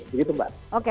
begitu mbak oke